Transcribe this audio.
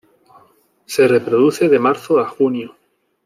Se reproduce de marzo a junio.